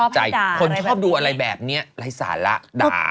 อ๋อชอบให้ด่าอะไรแบบนี้คนชอบดูอะไรแบบเนี่ยไร้สาระด่า